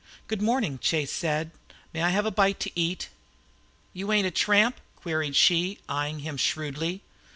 "Good morning," said Chase. "May I have a bite to eat?" "You ain't a tramp?" queried she, eying him shrewdly.